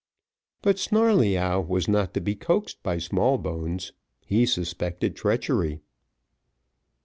But Snarleyyow was not to be coaxed by Smallbones; he suspected treachery.